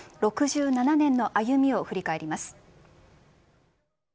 ６７年の歩みを振り返ります。